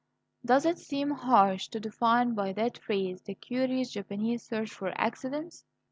Does it seem harsh to define by that phrase the curious Japanese search for accidents?